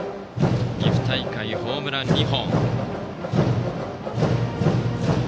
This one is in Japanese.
岐阜大会、ホームラン２本。